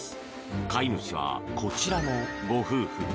飼い主は、こちらのご夫婦。